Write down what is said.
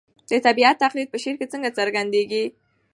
د طبیعت تقلید په شعر کې څنګه څرګندېږي؟